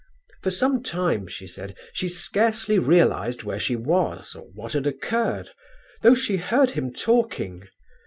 For some time, she said, she scarcely realized where she was or what had occurred, though she heard him talking.